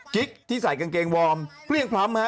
กิ๊กที่ใส่กางเกงวอร์มเปรี้ยงพล้ำฮะ